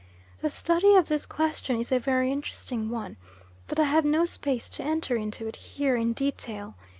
The study of this question is a very interesting one, but I have no space to enter into it here in detail.